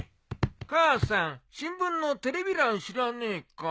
母さん新聞のテレビ欄知らねえか？